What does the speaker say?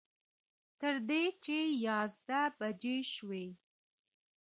تر دې چې یازده بجې شوې.